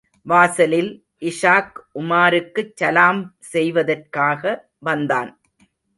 வாசலில், இஷாக், உமாருக்குச் சலாம் செய்வதற்காக வந்தான்.